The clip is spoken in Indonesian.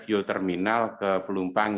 fuel terminal ke pelumpang